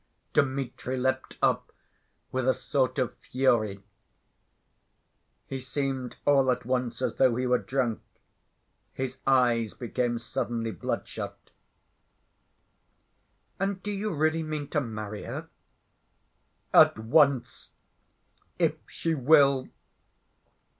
Dmitri leapt up with a sort of fury. He seemed all at once as though he were drunk. His eyes became suddenly bloodshot. "And do you really mean to marry her?" "At once, if she will.